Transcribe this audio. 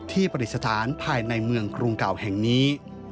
ประดิษฐานภายในเมืองกรุงเก่าแห่งนี้